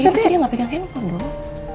masa dia gak pegang handphone dong